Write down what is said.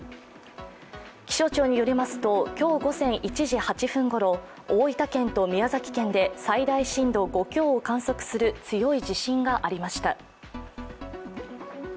気象庁によりますと、今日午前１時８分ごろ、大分県と宮崎県で最大震度５強を観測する強い地震がありました。